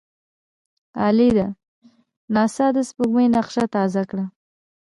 عالي ده! ناسا د سپوږمۍ نقشه تازه کړه.